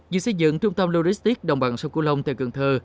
dự xây dựng trung tâm loristik đồng bằng sông cửu long tại cường thơ